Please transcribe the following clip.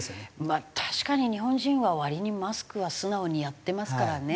まあ確かに日本人は割にマスクは素直にやってますからね。